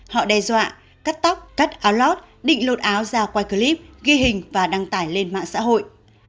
họ đe dọa cắt tóc cắt alót định lột áo ra quay clip ghi hình và đăng tải lên mạng xã hội